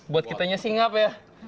buat kitanya singap ya